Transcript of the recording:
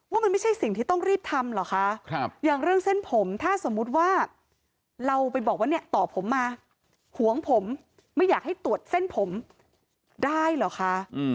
ว่ามันไม่ใช่สิ่งที่ต้องรีบทำหรอค่ะ